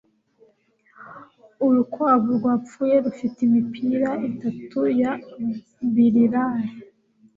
urukwavu rwapfuye, rufite imipira itatu ya biliard